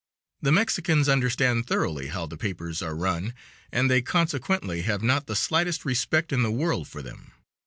The Mexicans understand thoroughly how the papers are run, and they consequently have not the slightest respect in the world for them.